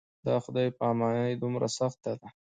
دا خدای پاماني دومره سخته ده.